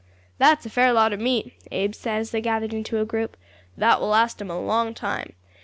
"That's a fair lot of meat," Abe said, as they gathered into a group. "That will last 'em a long time.